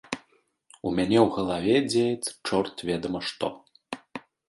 У мяне ў галаве дзеецца чорт ведама што.